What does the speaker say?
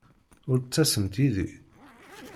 Ur d-ttasemt yid-i?